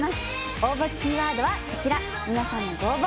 応募キーワードはこちら皆さんのご応募